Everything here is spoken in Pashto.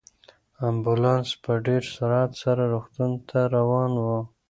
امبولانس په ډېر سرعت سره روغتون ته روان و.